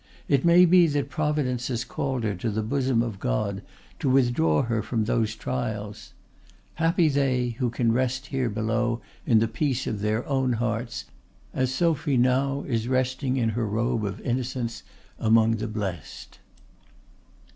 It may be that Providence has called her to the bosom of God to withdraw her from those trials. Happy they who can rest here below in the peace of their own hearts as Sophie now is resting in her robe of innocence among the blest."